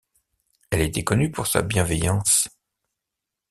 Elle était connu pour sa bienveillance.